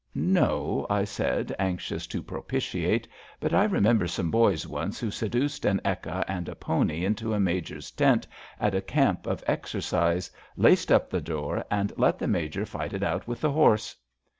''No,*' I said, anxious to propitiate, '* but I remember some boys once who seduced an ekka and a pony into a Major's tent at a camp of exercise, laced up the door, and let the Major fight it out with the horse.